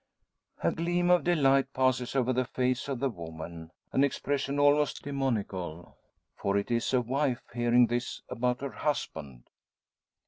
A gleam as of delight passes over the face of the woman an expression almost demoniacal; for it is a wife hearing this about her husband!